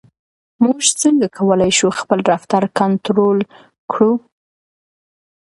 موږ څنګه کولای شو خپل رفتار کنټرول کړو؟